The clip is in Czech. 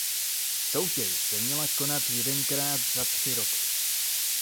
Soutěž se měla konat jedenkrát za tři roky.